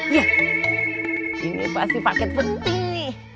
yeh ini pasti paket penting nih